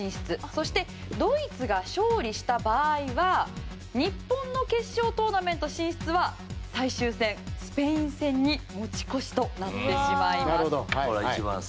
そしてドイツが勝利した場合は日本の決勝トーナメント進出は最終戦、スペイン戦に持ち越しとなります。